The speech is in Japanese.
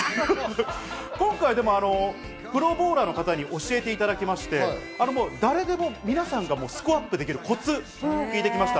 今回はプロボウラーの方に教えていただきまして、誰でもスコアアップできるコツ、聞いてきました。